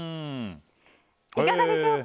いかがでしょうか？